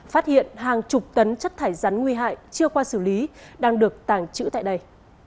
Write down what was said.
phát hiện hàng chục tấn chất thải rắn nguy hại chưa qua xử lý đang được tàng trữ tại đây